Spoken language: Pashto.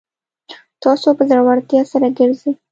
تاسو په زړورتیا سره ګرځئ